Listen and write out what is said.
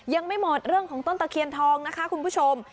ยังไม่หมดเรื่องของต้นตะเคียนทองนะคะคุณผู้ชม